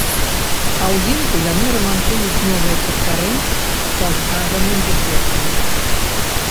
А узімку яны рамантуюць новыя трактары са згаданым дэфектам.